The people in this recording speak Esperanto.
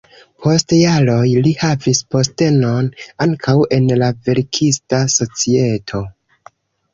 Post jaroj li havis postenon ankaŭ en la verkista societo.